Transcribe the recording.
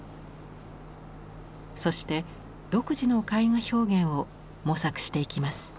そして独自の絵画表現を模索していきます。